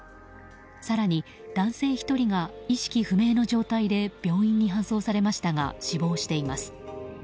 更に男性１人が意識不明の状態で病院に搬送されましたが死亡しています。